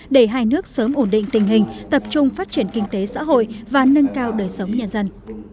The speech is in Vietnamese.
để hai nước sớm ổn định tình hình tập trung phát triển kinh tế xã hội và nâng cao đời sống nhân dân